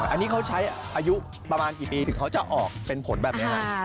อันนี้เขาใช้อายุประมาณกี่ปีถึงเขาจะออกเป็นผลแบบนี้ครับ